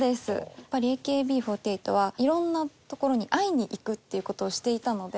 やっぱりＡＫＢ４８はいろんな所に会いに行くっていう事をしていたので。